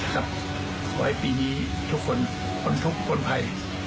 ขอให้ปีนี้ทุกคนคนทุกข์คนไทย